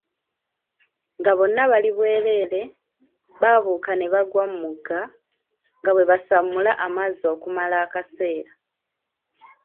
Nga bonna bali bwerere, baabuuka ne bagwa mu mugga, nga bwe basamula amazzi okumala akaseera.